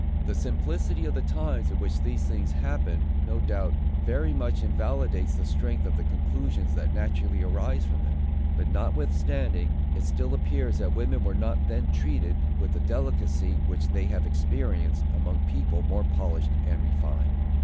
The simplicity of the times in which these things happened, no doubt, very much invalidates the strength of the conclusions that naturally arise from them. But, notwithstanding, it still appears that women were not then treated with the delicacy which they have experienced among people more polished and refined.